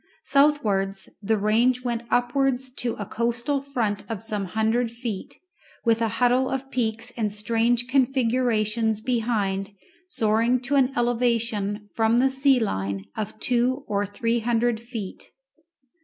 Southwards the range went upwards to a coastal front of some hundred feet, with a huddle of peaks and strange configurations behind soaring to an elevation from the sea line of two or three hundred feet.